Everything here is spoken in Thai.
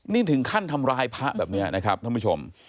นี่ถึงขั้นทำร้ายพระแบบนี้นะครับท่านผู้ชม